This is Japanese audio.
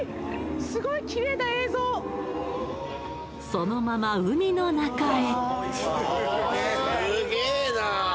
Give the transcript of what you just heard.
そのまま海の中へ。